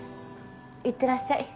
行ってらっしゃい。